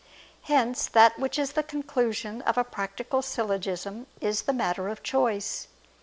Hence that which is the conclusion of a practical syllogism, is the matter of choice.